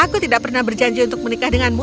oh ya aku tidak pernah berjanji untuk menikah denganmu